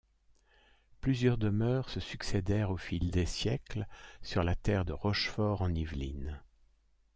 Plusieurs demeures se succédèrent au fil des siècles sur la terre de Rochefort-en-Yvelines.